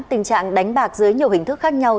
tình trạng đánh bạc dưới nhiều hình thức khác nhau